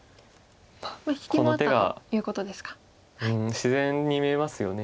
この手が自然に見えますよね。